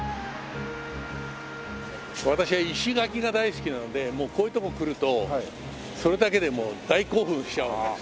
私は石垣が大好きなのでもうこういうとこ来るとそれだけでもう大興奮しちゃうわけです。